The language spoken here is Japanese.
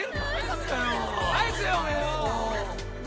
返せよおめえよ！